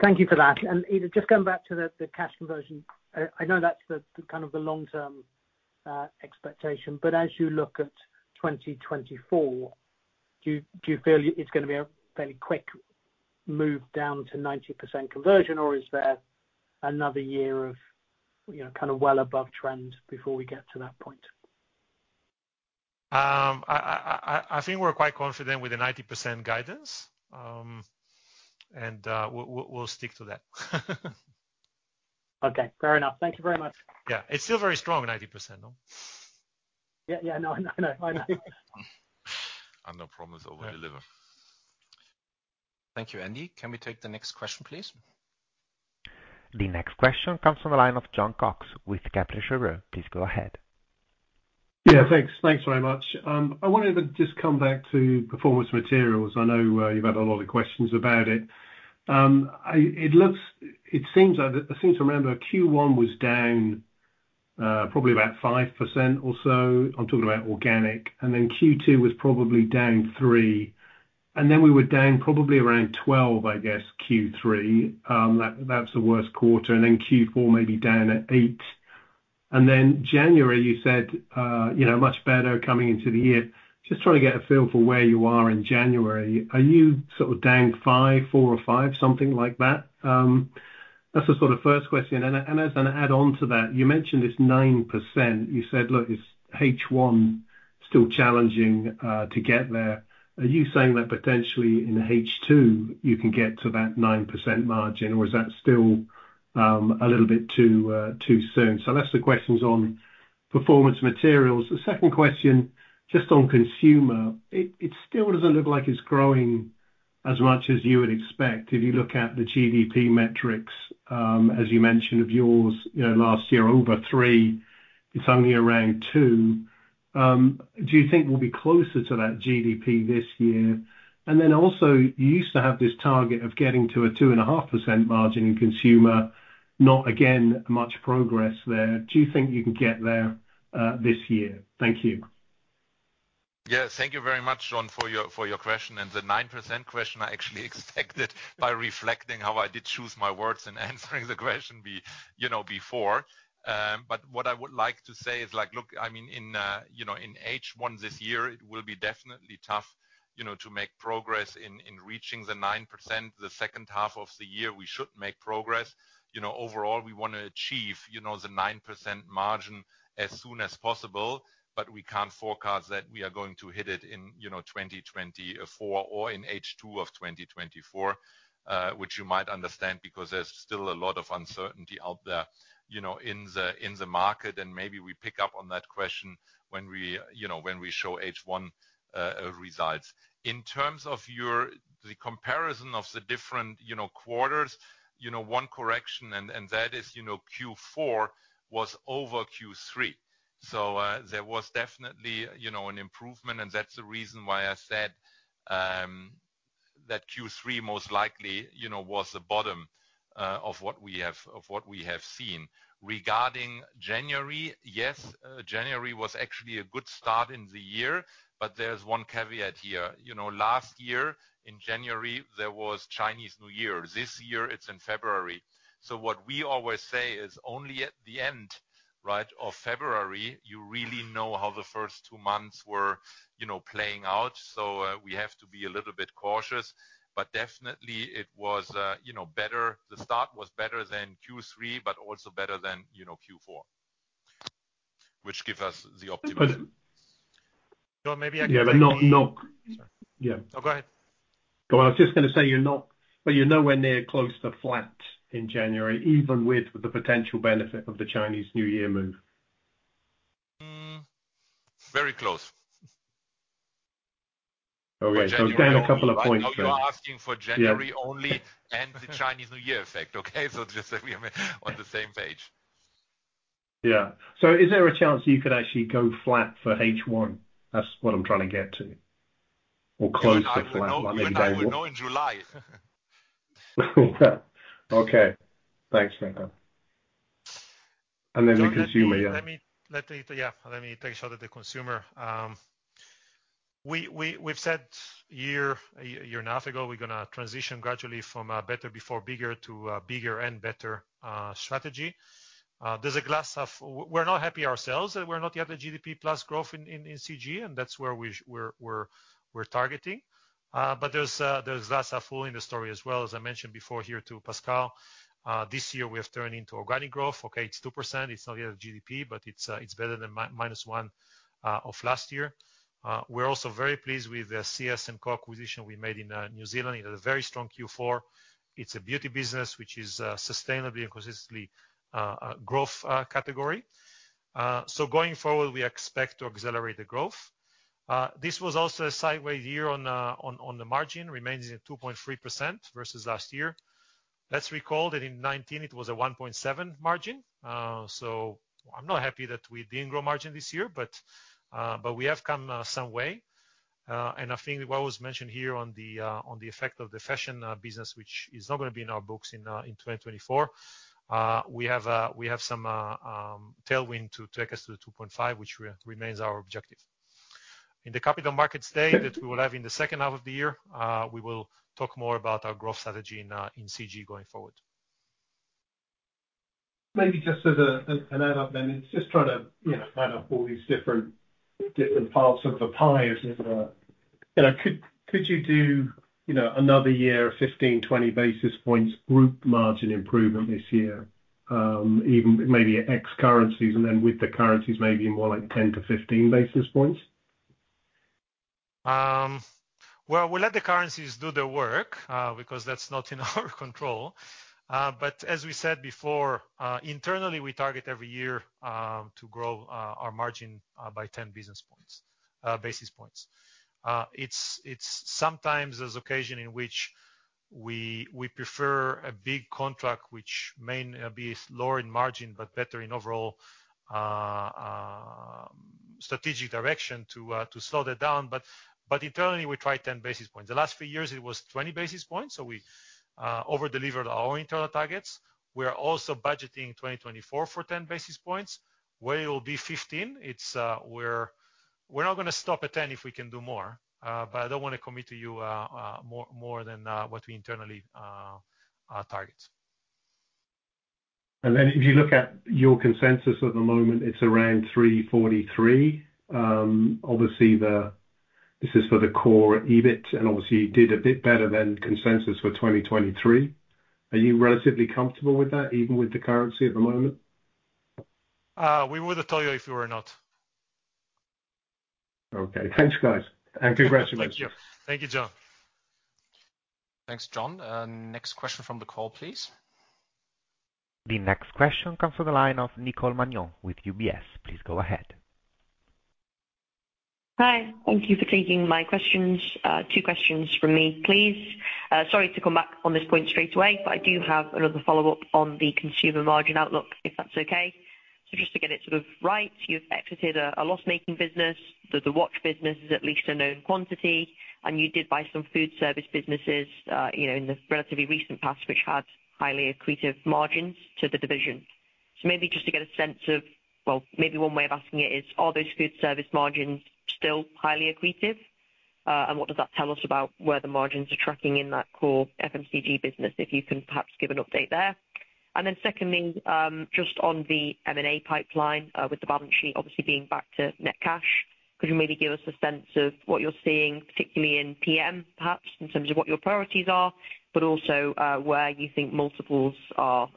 thank you for that. And, Ido, just going back to the cash conversion, I know that's the kind of the long-term expectation. But as you look at 2024, do you feel it's going to be a fairly quick move down to 90% conversion, or is there another year of, you know, kind of well above trend before we get to that point? I think we're quite confident with the 90% guidance, and we'll stick to that. Okay. Fair enough. Thank you very much. Yeah. It's still very strong, 90%, no? Yeah. Yeah. No, I know. And no promise overdeliver. Thank you, Andy. Can we take the next question, please? The next question comes from the line of John Cox with Kepler Cheuvreux. Please go ahead. Yeah. Thanks. Thanks very much. I wanted to just come back to Performance Materials. I know, you've had a lot of questions about it. It looks like it seems to remember Q1 was down, probably about 5% or so. I'm talking about organic. And then Q2 was probably down 3%. And then we were down probably around 12%, I guess, Q3. That's the worst quarter. And then Q4 maybe down at 8%. And then January, you said, you know, much better coming into the year. Just trying to get a feel for where you are in January. Are you sort of down five, four, or five, something like that? That's the sort of first question. And as an add-on to that, you mentioned this 9%. You said, "Look, it's H1 still challenging, to get there." Are you saying that potentially in H2, you can get to that 9% margin, or is that still a little bit too soon? So that's the questions on Performance Materials. The second question, just on consumer, it still doesn't look like it's growing as much as you would expect. If you look at the GDP metrics, as you mentioned of yours, you know, last year, over 3%, it's only around 2%. Do you think we'll be closer to that GDP this year? And then also, you used to have this target of getting to a 2.5% margin in consumer. Not, again, much progress there. Do you think you can get there, this year? Thank you. Yeah. Thank you very much, John, for your question. And the 9% question, I actually expected, by reflecting how I did choose my words and answering the question be, you know, before. But what I would like to say is, like, look, I mean, in, you know, in H1 this year, it will be definitely tough, you know, to make progress in reaching the 9%. The second half of the year, we should make progress. You know, overall, we want to achieve, you know, the 9% margin as soon as possible. But we can't forecast that we are going to hit it in, you know, 2024 or in H2 of 2024, which you might understand because there's still a lot of uncertainty out there, you know, in the market. And maybe we pick up on that question when we, you know, when we show H1 results. In terms of the comparison of the different, you know, quarters, you know, one correction, and that is, you know, Q4 was over Q3. So, there was definitely, you know, an improvement. And that's the reason why I said that Q3 most likely, you know, was the bottom of what we have seen. Regarding January, yes, January was actually a good start in the year. But there's one caveat here. You know, last year, in January, there was Chinese New Year. This year, it's in February. So what we always say is, only at the end, right, of February, you really know how the first two months were, you know, playing out. So, we have to be a little bit cautious. But definitely, it was, you know, better; the start was better than Q3, but also better than, you know, Q4, which gives us the optimism. But. John, maybe I can. Yeah. But not yeah. No, go ahead. Go on. I was just going to say you're not, but you're nowhere near close to flat in January, even with the potential benefit of the Chinese New Year move. Very close. For January. Okay. So down a couple of points there. You're asking for January only and the Chinese New Year effect, okay? So just that we are on the same page. Yeah. So is there a chance you could actually go flat for H1? That's what I'm trying to get to, or close to flat. Well, I mean, we're not in July. Okay. Thanks, Stefan. And then the consumer, yeah. Let me take a shot at the consumer. We've said a year and a half ago, we're going to transition gradually from a better-before-bigger to a bigger and better strategy. There's a glass half. We're not happy ourselves. We're not yet at GDP-plus growth in CG, and that's where we're targeting. But there's glass half full in the story as well, as I mentioned before here to Pascal. This year, we have turned into organic growth. Okay. It's 2%. It's not yet at GDP, but it's better than -1% of last year. We're also very pleased with the CS&Co. acquisition we made in New Zealand. It had a very strong Q4. It's a beauty business, which is sustainably and consistently a growth category. So going forward, we expect to accelerate the growth. This was also a sideways year on the margin. It remains at 2.3% versus last year. Let's recall that in 2019, it was a 1.7% margin. So I'm not happy that we didn't grow margin this year, but we have come some way. I think what was mentioned here on the effect of the fashion business, which is not going to be in our books in 2024, we have some tailwind to take us to the 2.5, which remains our objective. In the Capital Markets Day that we will have in the second half of the year, we will talk more about our growth strategy in CG going forward. Maybe just as a an add-on then, it's just trying to, you know, line up all these different parts of the pie, isn't it? You know, could you do, you know, another year of 15-20 basis points group margin improvement this year, even maybe ex currencies, and then with the currencies, maybe more like 10-15 basis points? Well, we'll let the currencies do their work, because that's not in our control. But as we said before, internally, we target every year to grow our margin by 10 basis points. It's sometimes there's occasion in which we prefer a big contract, which may be lower in margin but better in overall strategic direction to slow that down. But internally, we try 10 basis points. The last few years, it was 20 basis points, so we overdelivered our internal targets. We're also budgeting 2024 for 10 basis points. Where it will be 15, it's, we're not going to stop at 10 if we can do more. But I don't want to commit to you more than what we internally target. And then if you look at your consensus at the moment, it's around 343. Obviously, this is for the Core EBIT, and obviously, you did a bit better than consensus for 2023. Are you relatively comfortable with that, even with the currency at the moment? We would have told you if we were not. Okay. Thanks, guys. And congratulations. Thank you. Thank you, John. Thanks, John. Next question from the call, please. The next question comes from the line of Nicole Manion with UBS. Please go ahead. Hi. Thank you for taking my questions. Two questions from me, please. Sorry to come back on this point straight away, but I do have another follow-up on the consumer margin outlook, if that's okay. So just to get it sort of right, you've exited a loss-making business. The watch business is at least a known quantity. And you did buy some food service businesses, you know, in the relatively recent past, which had highly accretive margins to the division. So maybe just to get a sense of well, maybe one way of asking it is, are those food service margins still highly accretive? And what does that tell us about where the margins are tracking in that core FMCG business, if you can perhaps give an update there? And then secondly, just on the M&A pipeline, with the balance sheet obviously being back to net cash, could you maybe give us a sense of what you're seeing, particularly in PM, perhaps, in terms of what your priorities are, but also, where you think multiples are,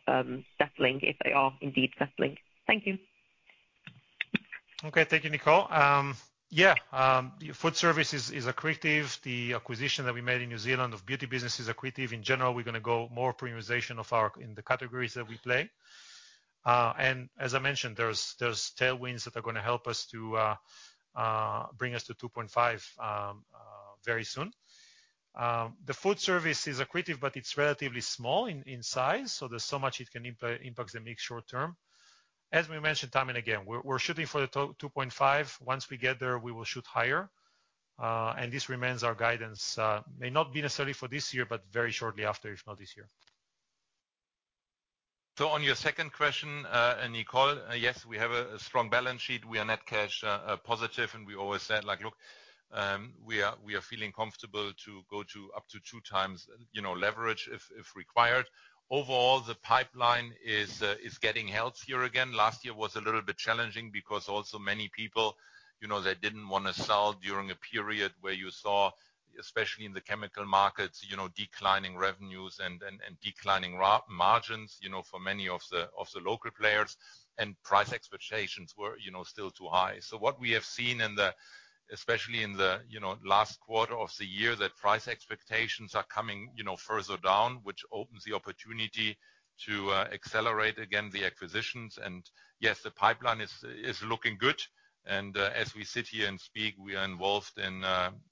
settling, if they are indeed settling? Thank you. Okay. Thank you, Nicole. Yeah. The food service is accretive. The acquisition that we made in New Zealand of beauty business is accretive. In general, we're going to go more premiumization of our in the categories that we play. And as I mentioned, there's tailwinds that are going to help us to bring us to 2.5 very soon. The food service is accretive, but it's relatively small in size, so there's so much it can impact the mix short term. As we mentioned time and again, we're shooting for the 2.5. Once we get there, we will shoot higher. And this remains our guidance, may not be necessarily for this year, but very shortly after, if not this year. So on your second question, Nicole, yes, we have a strong balance sheet. We are net cash positive. And we always said, like, "Look, we are feeling comfortable to go up to 2x, you know, leverage if required." Overall, the pipeline is getting healthier again. Last year was a little bit challenging because also many people, you know, they didn't want to sell during a period where you saw, especially in the chemical markets, you know, declining revenues and declining raw margins, you know, for many of the local players. And price expectations were, you know, still too high. So what we have seen especially in the, you know, last quarter of the year, that price expectations are coming, you know, further down, which opens the opportunity to accelerate again the acquisitions. And yes, the pipeline is looking good. And, as we sit here and speak, we are involved in,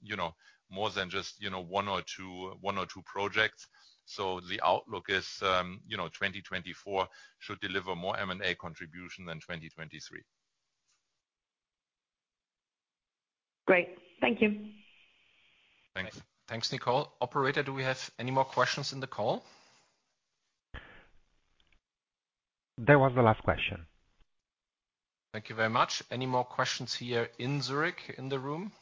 you know, more than just one or two projects. So the outlook is, you know, 2024 should deliver more M&A contribution than 2023. Great. Thank you. Thanks. Thanks, Nicole. Operator, do we have any more questions in the call? There was the last question. Thank you very much. Any more questions here in Zurich in the room?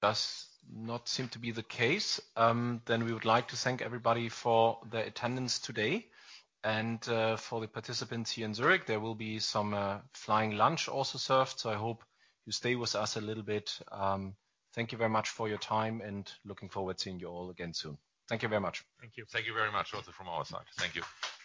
Does not seem to be the case. Then we would like to thank everybody for their attendance today. And, for the participants here in Zurich, there will be some flying lunch also served. So I hope you stay with us a little bit. Thank you very much for your time, and looking forward to seeing you all again soon. Thank you very much. Thank you. Thank you very much also from our side. Thank you.